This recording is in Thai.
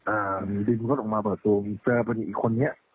อ่าดินก็ลงมาเปิดตรงเจอประดิษฐ์อีกคนนี้